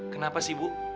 kenapa sih bu